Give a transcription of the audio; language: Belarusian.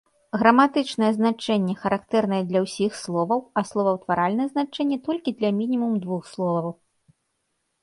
Граматычнае значэнне характэрнае для ўсіх словаў, а словаўтваральнае значэнне толькі для мінімум двух словаў.